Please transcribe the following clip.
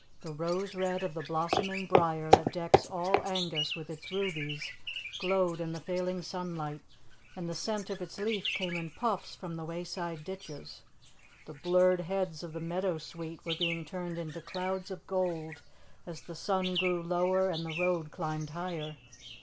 The rose red of the blossoming briar that decks all Angus with its rubies glowed in the failing sunlight, and the scent of its leaf came in puffs from the wayside ditches; the blurred heads of the meadow sweet were being turned into clouds of gold as the sun grew lower and the road climbed higher.